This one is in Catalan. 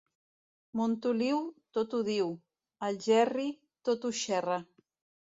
Montoliu, tot ho diu; Algerri, tot ho xerra.